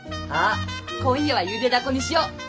あっ今夜はゆでだこにしよ。